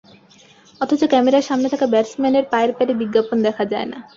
অথচ ক্যামেরার সামনে থাকা ব্যাটসম্যানের পায়ের প্যাডে বিজ্ঞাপন দেখা যায় না।